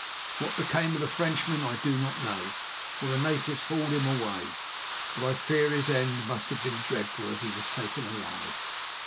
What became of the Frenchman I do not know, for the natives hauled him away, but I fear his end must have been dreadful, as he was taken alive.